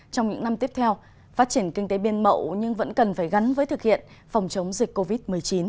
trong những năm tiếp theo phát triển kinh tế biên mậu nhưng vẫn cần phải gắn với thực hiện phòng chống dịch covid một mươi chín